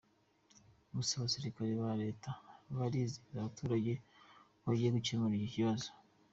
Gusa abasirikare ba Leta barizeza abaturage ko bagiye gukemura iki kibazo.